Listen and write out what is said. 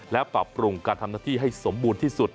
และปรับปรุงการทำหน้าที่ให้สมบูรณ์ที่สุด